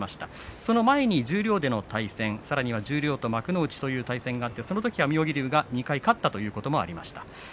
その前に十両での対戦さらには十両と幕内という対戦があって、そのときは妙義龍が２回勝ったということもありました。